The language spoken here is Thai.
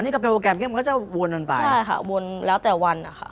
นี่ก็เป็นโปรแกรมที่มันก็จะวนกันไปใช่ค่ะวนแล้วแต่วันนะคะ